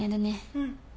うん。